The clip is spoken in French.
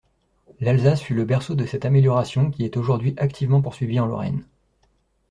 L'Alsace fut le berceau de cette amélioration qui est aujourd'hui activement poursuivie en Lorraine.